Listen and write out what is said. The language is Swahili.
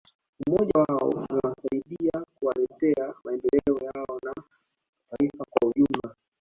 Umoja wao umewasaidia kuwaletea maendeleo yao na ya taifa kwa ujumla